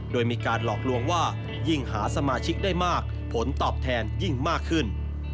โดยมีการหลอกลวงว่ายิ่งหาสมาชิกได้มากผลตอบแทนยิ่งมากขึ้น